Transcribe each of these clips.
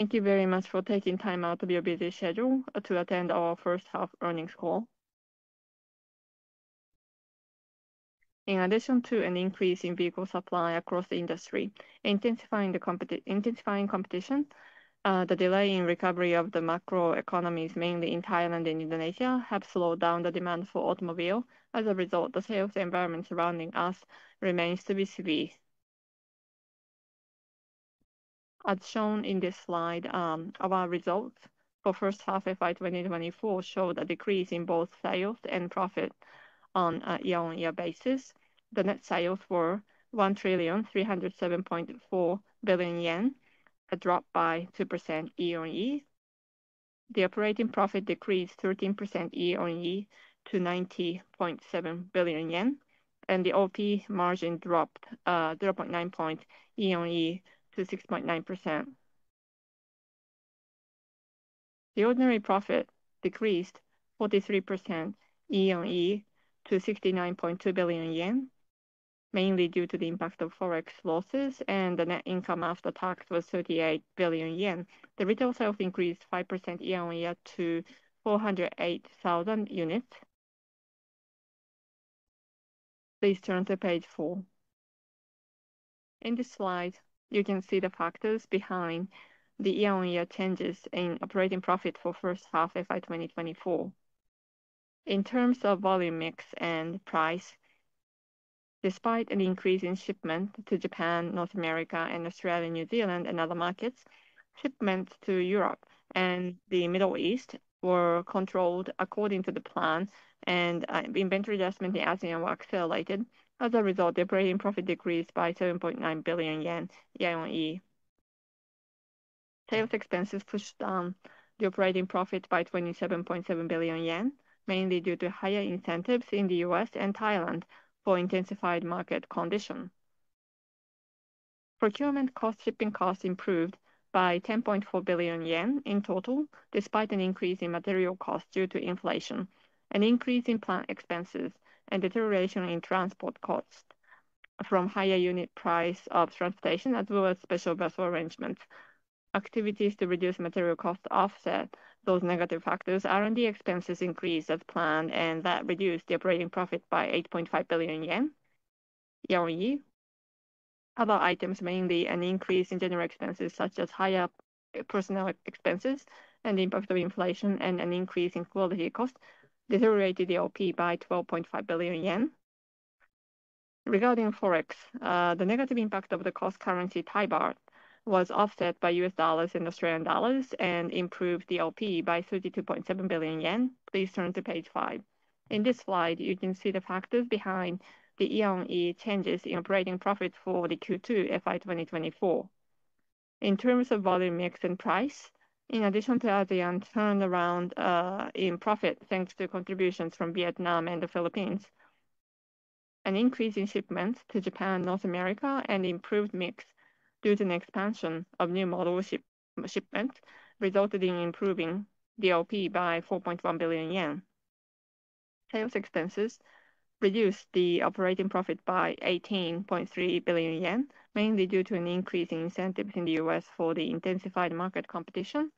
Thank you very much for taking time out of your busy schedule to attend our first half earnings call. In addition to an increase in vehicle supply across the industry and intensifying competition, the delay in recovery of the macro economies, mainly in Thailand and Indonesia, has slowed down the demand for automobiles. As a result, the sales environment surrounding us remains to be severe as shown in this slide. Our results for the first half of 2024 showed a decrease in both sales and profit on a year-on-year basis. The net sales were 1,307.4 billion yen, a drop by 2% year on year. The operating profit decreased 13% year on year to 90.7 billion yen, and the OP margin dropped 0.9% year on year to 6.9%. The ordinary profit decreased 43% year on year to 69.2 billion yen, mainly due to the impact of forex losses, and the net income after tax was 38 billion yen. The retail sales increased 5% year on year to 408,000 units. Please turn to page four. In this slide, you can see the factors behind the year-on-year changes in operating profit for the first half of 2024. In terms of volume mix and price, despite an increase in shipment to Japan, North America, Australia, New Zealand, and other markets, shipments to Europe and the Middle East were controlled according to the plan, and inventory adjustment in ASEAN were accelerated. As a result, the operating profit decreased by 7.9 billion yen year on year. Sales expenses pushed down the operating profit by 27.7 billion yen, mainly due to higher incentives in the U.S. and Thailand for intensified market conditions. Procurement cost shipping costs improved by 10.4 billion yen in total, despite an increase in material costs due to inflation, an increase in plant expenses, and deterioration in transport costs from higher unit price of transportation as well as special vessel arrangement activities to reduce material costs offset those negative factors. R&D expenses increased as planned, and that reduced the operating profit by 8.5 billion yen year on year. Other items, mainly an increase in general expenses such as higher personal expenses and the impact of inflation, and an increase in quality costs, deteriorated the OP by 12.5 billion yen. Regarding forex, the negative impact of the cost currency Thai Baht was offset by U.S. dollars and Australian dollars, and improved the OP by 32.7 billion yen. Please turn to page five. In this slide, you can see the factors behind the year-on-year changes in operating profits for the Q2 FY 2024. In terms of volume mix and price, in addition to ASEAN turnaround in profit thanks to contributions from Vietnam and the Philippines, an increase in shipments to Japan, North America, and improved mix due to an expansion of new model shipment resulted in improving the OP by 4.1 billion yen. Sales expenses reduced the operating profit by 18.3 billion yen, mainly due to an increase in incentives in the U.S. for the intensified market competition.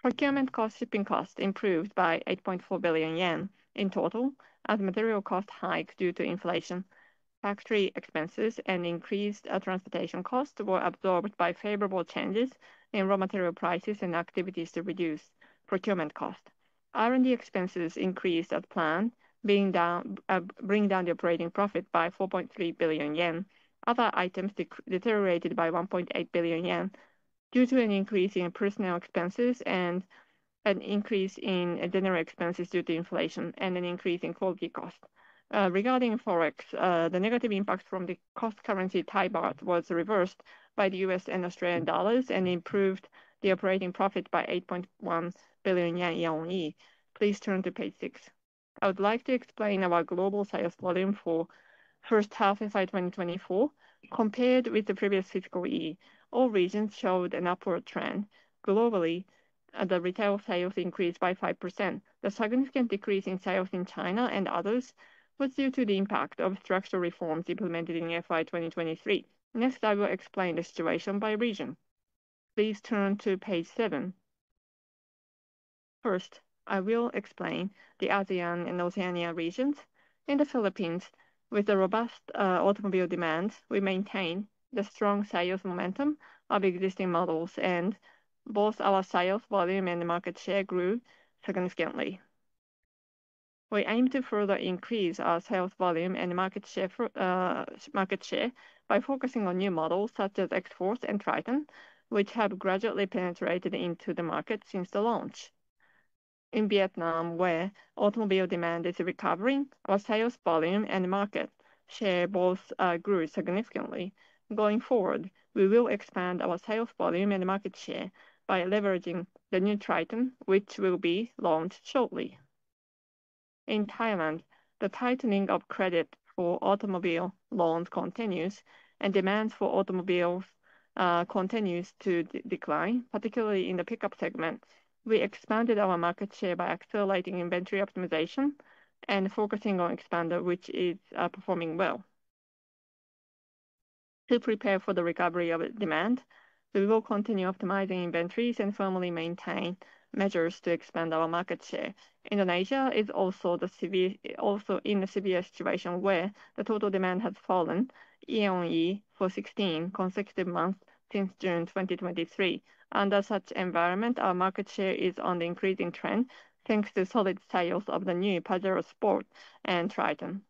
Procurement cost shipping costs improved by 8.4 billion yen in total as material costs hiked due to inflation. Factory expenses and increased transportation costs were absorbed by favorable changes in raw material prices and activities to reduce procurement costs. R&D expenses increased as planned, bringing down the operating profit by 4.3 billion yen. Other items deteriorated by 1.8 billion yen due to an increase in personal expenses and an increase in general expenses due to inflation and an increase in quality costs. Regarding forex, the negative impact from the cost currency Thai Baht was reversed by the US and Australian dollars and improved the operating profit by 8.1 billion yen. Please turn to page six. I would like to explain our global sales volume for the first half of 2024 compared with the previous fiscal year. All regions showed an upward trend. Globally, the retail sales increased by 5%. The significant decrease in sales in China and others was due to the impact of structural reforms implemented in FY 2023. Next, I will explain the situation by region. Please turn to page seven. First, I will explain the ASEAN and Oceania regions. In the Philippines, with the robust automobile demand, we maintain the strong sales momentum of existing models, and both our sales volume and the market share grew significantly. We aim to further increase our sales volume and market share by focusing on new models such as X-Force and Triton, which have gradually penetrated into the market since the launch. In Vietnam, where automobile demand is recovering, our sales volume and market share both grew significantly. Going forward, we will expand our sales volume and market share by leveraging the new Triton, which will be launched shortly. In Thailand, the tightening of credit for automobile loans continues, and demand for automobiles continues to decline, particularly in the pickup segment. We expanded our market share by accelerating inventory optimization and focusing on Xpander, which is performing well. To prepare for the recovery of demand, we will continue optimizing inventories and firmly maintain measures to expand our market share. Indonesia is also in a severe situation where the total demand has fallen year on year for 16 consecutive months since June 2023. Under such environment, our market share is on the increasing trend thanks to solid sales of the new Pajero Sport and Triton.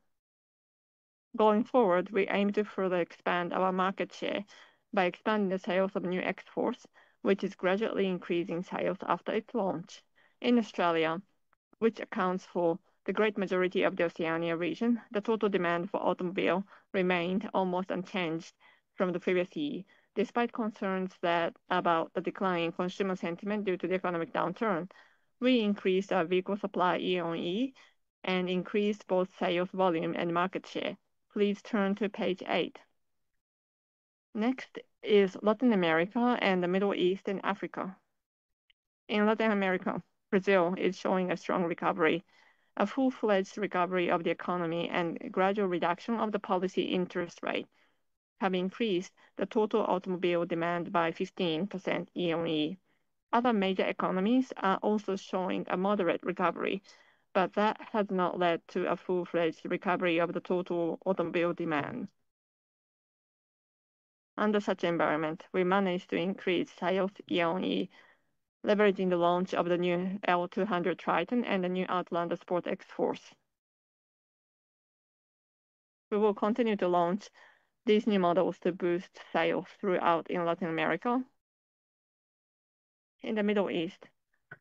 Going forward, we aim to further expand our market share by expanding the sales of the new X-Force, which is gradually increasing sales after its launch. In Australia, which accounts for the great majority of the Oceania region, the total demand for automobile remained almost unchanged from the previous year. Despite concerns about the decline in consumer sentiment due to the economic downturn, we increased our vehicle supply year on year and increased both sales volume and market share. Please turn to page eight. Next is Latin America and the Middle East and Africa. In Latin America, Brazil is showing a strong recovery. A full-fledged recovery of the economy and gradual reduction of the policy interest rate have increased the total automobile demand by 15% year on year. Other major economies are also showing a moderate recovery, but that has not led to a full-fledged recovery of the total automobile demand. Under such environment, we managed to increase sales year on year, leveraging the launch of the new L200 Triton and the new Outlander Sport X-Force. We will continue to launch these new models to boost sales throughout Latin America. In the Middle East,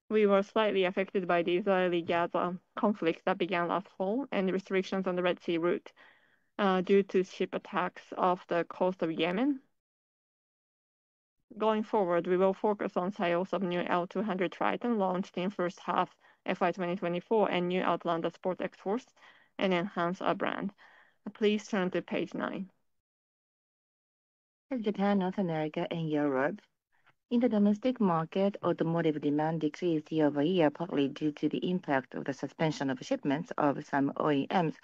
we were slightly affected by the Israeli-Gaza conflict that began last fall and restrictions on the Red Sea route due to ship attacks off the coast of Yemen. Going forward, we will focus on sales of new L200 Triton launched in the first half of 2024, and new Outlander Sport X-Force and enhance our brand. Please turn to page nine. For Japan, North America, and Europe, in the domestic market, automotive demand decreased year over year partly due to the impact of the suspension of shipments of some OEMs,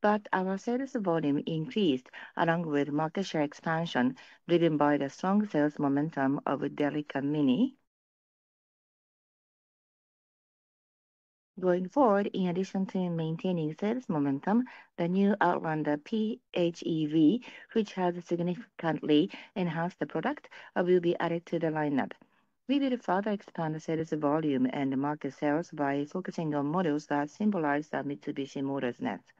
but our sales volume increased along with market share expansion driven by the strong sales momentum of Delica Mini. Going forward, in addition to maintaining sales momentum, the new Outlander PHEV, which has significantly enhanced the product, will be added to the lineup. We will further expand the sales volume and market sales by focusing on models that symbolize Mitsubishi Motors' nets.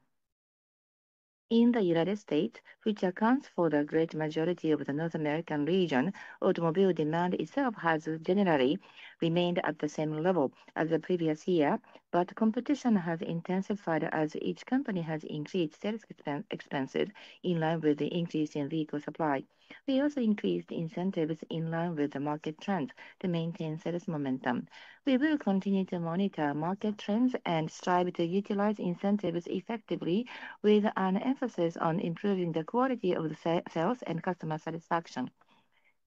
In the United States, which accounts for the great majority of the North American region, automobile demand itself has generally remained at the same level as the previous year, but competition has intensified as each company has increased sales expenses in line with the increase in vehicle supply. We also increased incentives in line with the market trends to maintain sales momentum. We will continue to monitor market trends and strive to utilize incentives effectively, with an emphasis on improving the quality of the sales and customer satisfaction.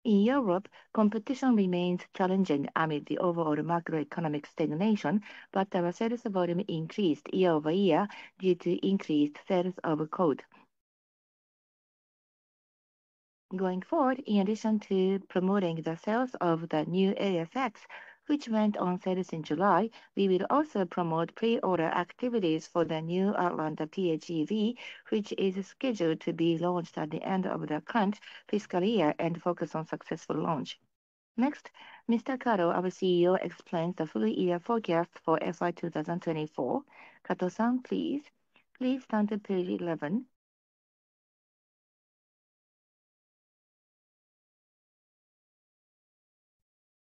In Europe, competition remains challenging amid the overall macroeconomic stagnation, but our sales volume increased year over year due to increased sales of Colt. Going forward, in addition to promoting the sales of the new ASX, which went on sale in July, we will also promote pre-order activities for the new Outlander PHEV, which is scheduled to be launched at the end of the current fiscal year and focus on successful launch. Next, Mr. Kato, our CEO, explains the full-year forecast for FY 2024. Kato-san, please. Please turn to page 11.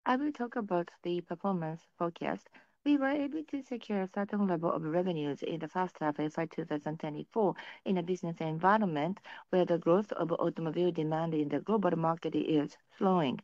I will talk about the performance forecast. We were able to secure a certain level of revenues in the first half of 2024 in a business environment where the growth of automobile demand in the global market is slowing.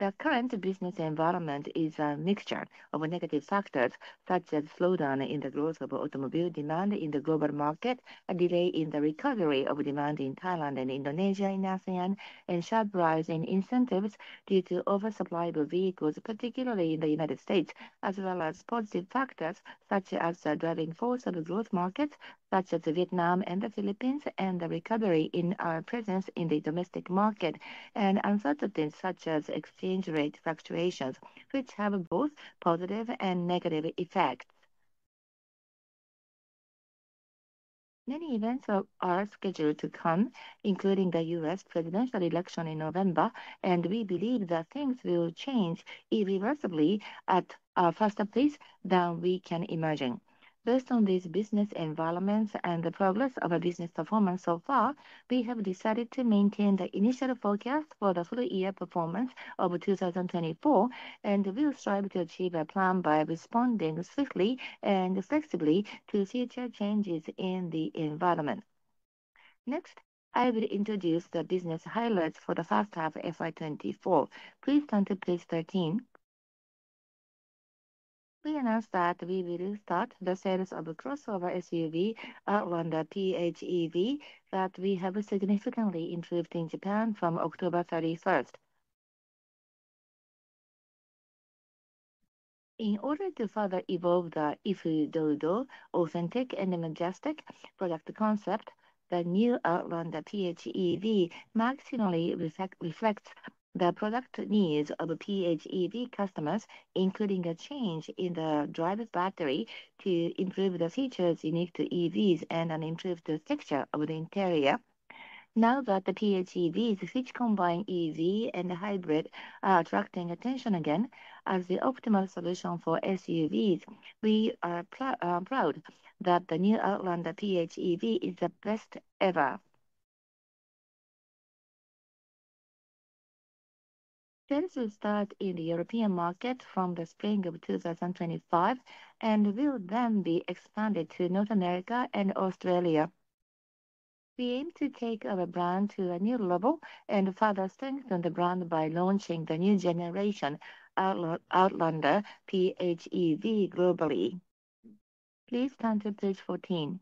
The current business environment is a mixture of negative factors such as a slowdown in the growth of automobile demand in the global market, a delay in the recovery of demand in Thailand and Indonesia in ASEAN, and a sharp rise in incentives due to oversupply of vehicles, particularly in the United States, as well as positive factors such as the driving force of the growth markets such as Vietnam and the Philippines, and the recovery in our presence in the domestic market and uncertainties such as exchange rate fluctuations, which have both positive and negative effects. Many events are scheduled to come, including the U.S. presidential election in November, and we believe that things will change irreversibly at a faster pace than we can imagine. Based on this business environment and the progress of our business performance so far, we have decided to maintain the initial forecast for the full-year performance of 2024, and we will strive to achieve our plan by responding swiftly and flexibly to future changes in the environment. Next, I will introduce the business highlights for the first half of FY 24. Please turn to page 13. We announced that we will start the sales of crossover SUV Outlander PHEV that we have significantly improved in Japan from October 31st. In order to further evolve the I-Fu-Do-Do authentic and majestic product concept, the new Outlander PHEV maximally reflects the product needs of PHEV customers, including a change in the drive battery to improve the features unique to EVs and an improved texture of the interior. Now that the PHEVs, which combine EV and hybrid, are attracting attention again as the optimal solution for SUVs, we are proud that the new Outlander PHEV is the best ever. Sales will start in the European market from the spring of 2025 and will then be expanded to North America and Australia. We aim to take our brand to a new level and further strengthen the brand by launching the new generation Outlander PHEV globally. Please turn to page 14.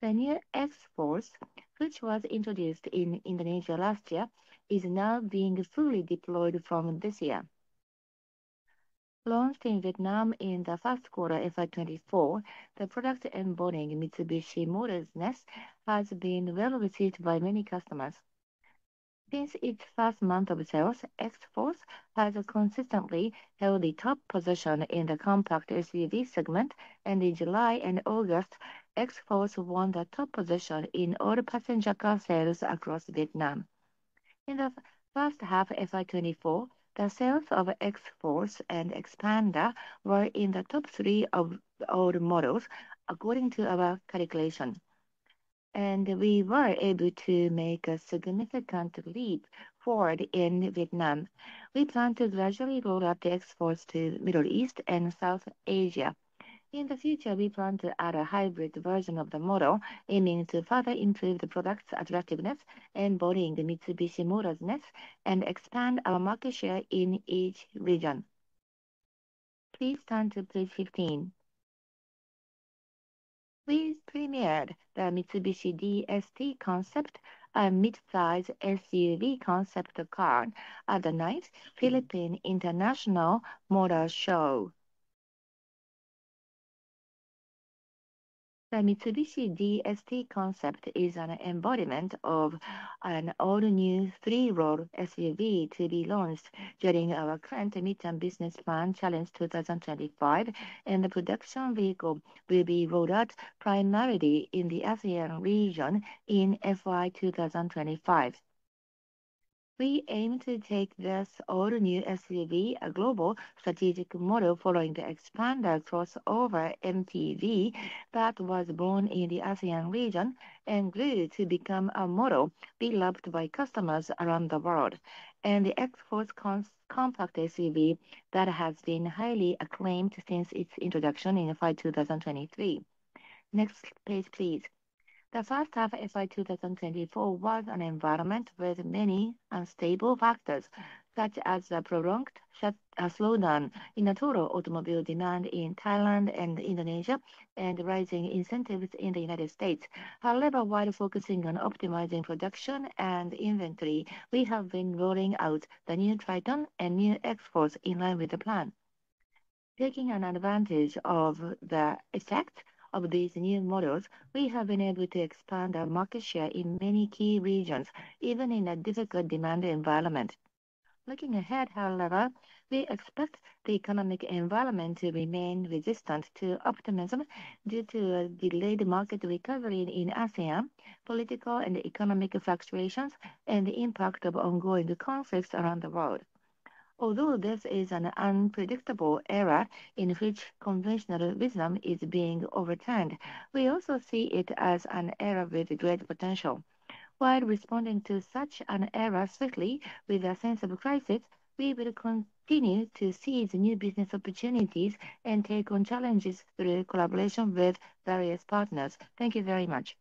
The new X-Force, which was introduced in Indonesia last year, is now being fully deployed from this year. Launched in Vietnam in the first quarter of 2024, the product embodying Mitsubishi Motors-ness has been well received by many customers. Since its first month of sales, X-Force has consistently held the top position in the compact SUV segment, and in July and August, X-Force won the top position in all passenger car sales across Vietnam. In the first half of 2024, the sales of X-Force and Xpander were in the top three of all models, according to our calculation, and we were able to make a significant leap forward in Vietnam. We plan to gradually roll out the X-Force to the Middle East and South Asia. In the future, we plan to add a hybrid version of the model aiming to further improve the product's attractiveness, embodying Mitsubishi Motors-ness, and expand our market share in each region. Please turn to page 15. We premiered the Mitsubishi DST Concept, a mid-size SUV concept car, at the ninth Philippine International Motor Show. The Mitsubishi DST Concept is an embodiment of an all-new three-row SUV to be launched during our current Midterm Business Plan Challenge 2025, and the production vehicle will be rolled out primarily in the ASEAN region in FY 2025. We aim to take this all-new SUV, a global strategic model following the Xpander crossover MPV that was born in the ASEAN region and grew to become a model beloved by customers around the world, and the X-Force compact SUV that has been highly acclaimed since its introduction in FY 2023. Next page, please. The first half of FY 2024 was an environment with many unstable factors such as a prolonged slowdown in the total automobile demand in Thailand and Indonesia and rising incentives in the United States. However, while focusing on optimizing production and inventory, we have been rolling out the new Triton and new X-Force in line with the plan. Taking advantage of the effect of these new models, we have been able to expand our market share in many key regions, even in a difficult demand environment. Looking ahead, however, we expect the economic environment to remain resistant to optimism due to a delayed market recovery in ASEAN, political and economic fluctuations, and the impact of ongoing conflicts around the world. Although this is an unpredictable era in which conventional wisdom is being overturned, we also see it as an era with great potential. While responding to such an era swiftly with a sense of crisis, we will continue to seize new business opportunities and take on challenges through collaboration with various partners. Thank you very much.